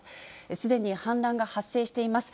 すでに氾濫が発生しています。